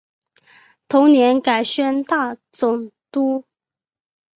同年改宣大总督。